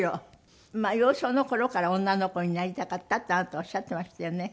まあ幼少の頃から女の子になりたかったってあなたおっしゃってましたよね。